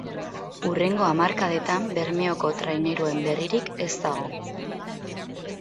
Hurrengo hamarkadetan Bermeoko traineruen berririk ez dago.